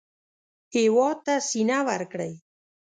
هېواد ته سینه ورکړئ